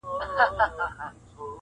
د کنړ غرغړې اورم ننګرهار په سترګو وینم -